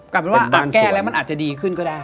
กลายเป็นว่าแก้แล้วมันอาจจะดีขึ้นก็ได้